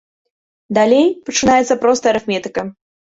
Далей пачынаецца простая арыфметыка!